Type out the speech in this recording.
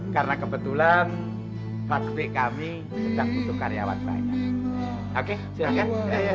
karena kebetulan praktik kami sedang butuh karyawan banyak oke silakan